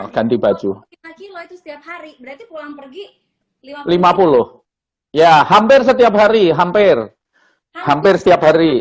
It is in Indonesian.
kan di baju itu setiap hari pelang pergi lima puluh ya hampir setiap hari hampir hampir setiap hari